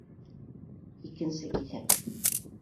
ИКЕНСЕ КИҪӘК